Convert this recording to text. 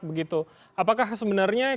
begitu apakah sebenarnya